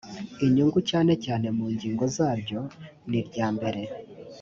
inyungu cyane cyane mu ngingo zaryo niryambere